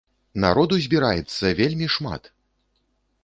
Народу збіраецца вельмі шмат!